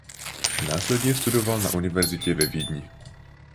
Následně studoval na univerzitě ve Vídni.